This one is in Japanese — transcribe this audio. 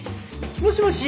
もしもし。